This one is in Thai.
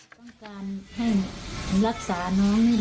ต้องการให้รักษาน้องนี่